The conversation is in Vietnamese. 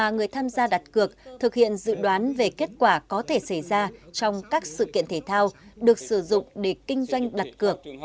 người tham gia đặt cược thực hiện dự đoán về kết quả có thể xảy ra trong các sự kiện thể thao được sử dụng để kinh doanh đặt cược